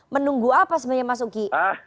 menunggu apa sebenarnya mas uki